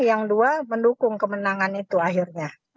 yang dua mendukung kemenangan itu akhirnya